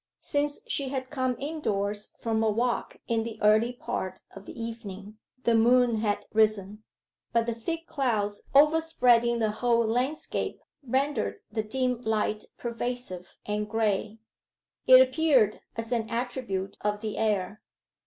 Since she had come indoors from her walk in the early part of the evening the moon had risen. But the thick clouds overspreading the whole landscape rendered the dim light pervasive and grey: it appeared as an attribute of the air.